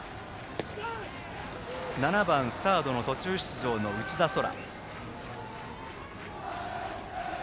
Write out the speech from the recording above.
７番、サードの途中出場の内田蒼空。